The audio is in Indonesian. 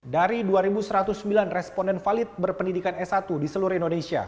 dari dua satu ratus sembilan responden valid berpendidikan s satu di seluruh indonesia